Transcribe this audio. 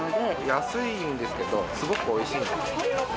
安いんですけど、すごくおいしいんですよね。